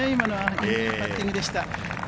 いいパッティングでした。